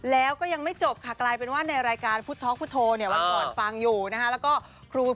บางทีความรักเนี่ยมันก็พูดยาก